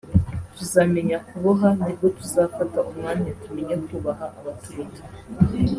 tuzamenya kuboha nibwo tuzafata umwanya tumenye kubaha abaturuta